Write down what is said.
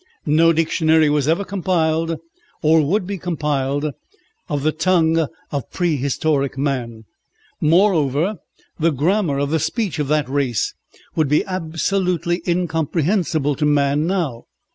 No dictionary was ever compiled, or would be compiled, of the tongue of prehistoric man; moreover, the grammar of the speech of that race would be absolutely incomprehensible to man now.